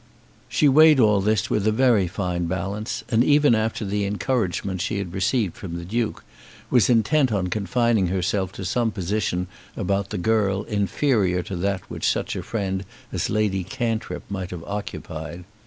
She weighed all this with a very fine balance, and even after the encouragement she had received from the Duke, was intent on confining herself to some position about the girl inferior to that which such a friend as Lady Cantrip might have occupied.